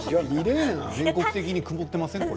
全国的に曇っていませんか。